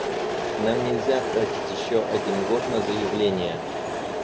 Нам нельзя тратить еще один год на заявления.